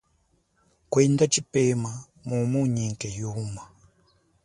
Kwenda tshipema mumu unyike yuma.